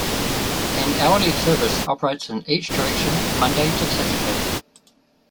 An hourly service operates in each direction Monday-Saturday.